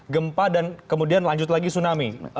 gempa dan kemudian lanjut lagi tsunami